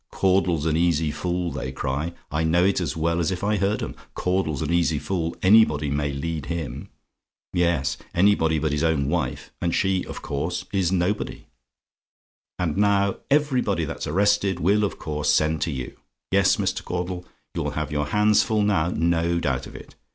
'Caudle's an easy fool,' they cry I know it as well as if I heard 'em 'Caudle's an easy fool; anybody may lead him.' Yes anybody but his own wife; and she of course is nobody. "And now, everybody that's arrested will of course send to you. Yes, Mr. Caudle, you'll have your hands full now, no doubt of it.